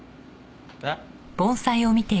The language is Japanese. えっ？